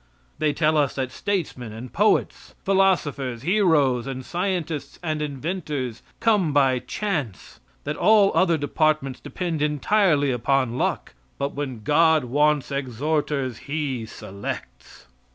They tell us that statesmen and poets, philosophers, heroes, and scientists and inventors come by chance; that all other departments depend entirely upon luck; but when God wants exhorters He selects.